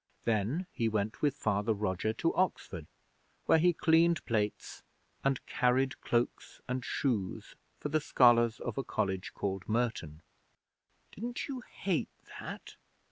Then he went with Father Roger to Oxford, where he cleaned plates and carried cloaks and shoes for the scholars of a College called Merton. 'Didn't you hate that?'